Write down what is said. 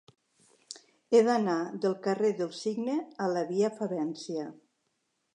He d'anar del carrer del Cigne a la via Favència.